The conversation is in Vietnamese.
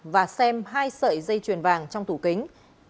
và xem hai sợi dây chuyển vàng trong thủ kính